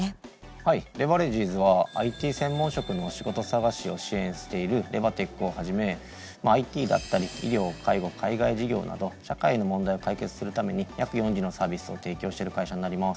はいレバレジーズはＩＴ専門職の仕事探しを支援しているレバテックをはじめＩＴだったり医療介護海外事業など社会の問題を解決するために約４０のサービスを提供している会社になります。